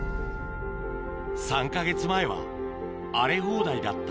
３か月前は荒れ放題だった